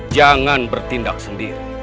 jangan bertindak sendiri